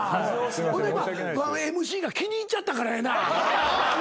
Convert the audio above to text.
ほいでＭＣが気に入っちゃったからやな。